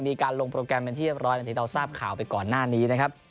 มีการลงโปรแกรมเป็นที่เรียบร้อยอย่างที่เราทราบข่าวไปก่อนหน้านี้นะครับ